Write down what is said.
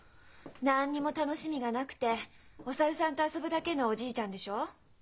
何にも楽しみがなくてお猿さんと遊ぶだけのおじいちゃんでしょう？